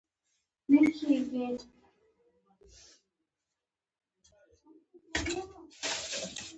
ازادي راډیو د بیکاري د اغېزو په اړه ریپوټونه راغونډ کړي.